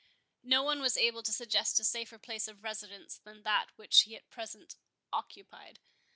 No one was able to suggest a safer place of residence than that which he at present occupied.